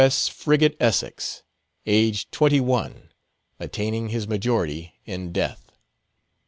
S. frigate Essex, aged twenty one: attaining his majority in death.